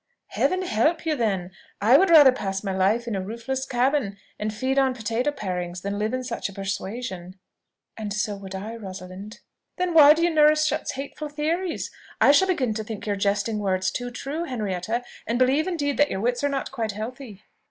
"Heaven help you, then! I would rather pass my life in a roofless cabin, and feed on potato parings, than live in such a persuasion." "And so would I, Rosalind." "Then why do you nourish such hateful theories? I shall begin to think your jesting words too true, Henrietta; and believe, indeed, that your wits are not quite healthy."